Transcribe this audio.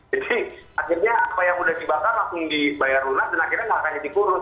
jadi akhirnya apa yang sudah dibakar langsung dibayar lunak dan akhirnya makannya dikurus